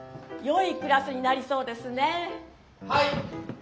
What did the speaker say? はい！